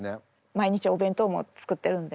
毎日お弁当も作ってるんで。